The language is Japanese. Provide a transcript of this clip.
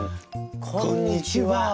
こんにちは。